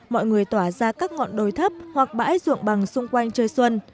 mọi người tỏa ra các ngọn đồi thấp hoặc bãi ruộng bằng xung quanh chơi xuân